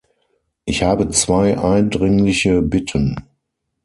Ich habe zwei eindringliche Bitten.